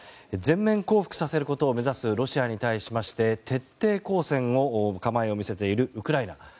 全面降伏させることを目指すロシアに対しまして徹底抗戦の構えを見せているウクライナ。